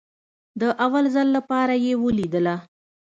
د اول ځل لپاره يې ليدله.